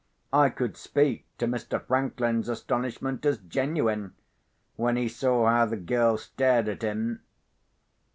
I could speak to Mr. Franklin's astonishment as genuine, when he saw how the girl stared at him.